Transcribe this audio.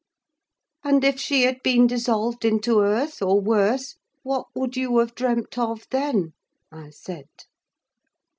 "And if she had been dissolved into earth, or worse, what would you have dreamt of then?" I said.